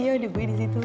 iya udah gue disitu